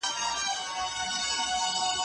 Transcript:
هغه څوک چي ليک لولي پوهه اخلي،